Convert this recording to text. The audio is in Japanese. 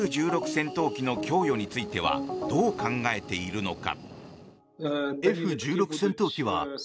戦闘機の供与についてはどう考えているのか。